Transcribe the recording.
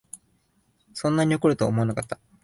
そんなに怒るとは思わなかった